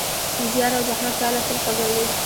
د زیار او زحمت پایله تل خوږه وي.